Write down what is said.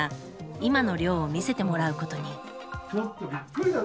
今の寮を見せてもらうことに。